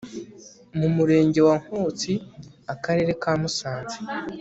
mu Murenge wa Nkotsi Akarere ka Musanze